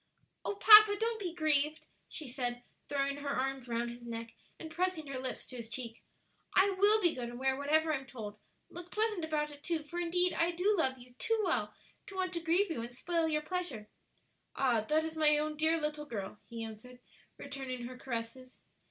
"Oh, papa, don't be grieved," she said, throwing her arms round his neck and pressing her lips to his cheek. "I will be good and wear whatever I'm told; look pleasant about it too, for indeed I do love you too well to want to grieve you and spoil your pleasure." "Ah, that is my own dear little girl," he answered, returning her caresses.